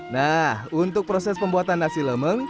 nah untuk proses pembuatan nasi lemeng